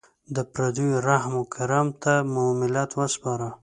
د پردیو رحم و کرم ته مو ملت وسپاره.